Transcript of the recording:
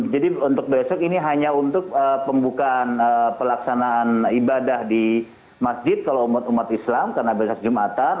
jadi untuk besok ini hanya untuk pembukaan pelaksanaan ibadah di masjid kalau umat umat islam karena besok jumatan